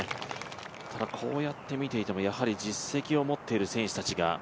こうやって見ていても、実績を持っている選手たちが。